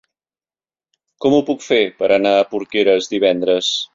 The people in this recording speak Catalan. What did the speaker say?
Com ho puc fer per anar a Porqueres divendres?